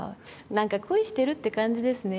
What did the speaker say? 何か恋してるって感じですね。